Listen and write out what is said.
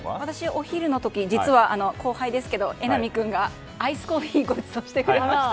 お昼の時、実は後輩ですけど榎並さんがアイスコーヒーをごちそうしてくれました。